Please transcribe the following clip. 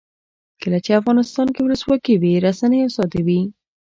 کله چې افغانستان کې ولسواکي وي رسنۍ آزادې وي.